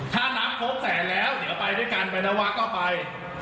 ทางรับจะแค่แล้วเดี๋ยวไปด้วยกันไปนะวะก็ไป